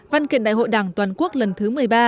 văn kiện đại hội đảng toàn quốc lần thứ một mươi ba